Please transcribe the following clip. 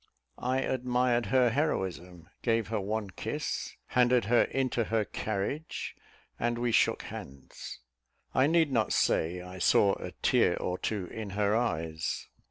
I admired her heroism, gave her one kiss, handed her into her carriage, and we shook hands. I need not say I saw a tear or two in her eyes.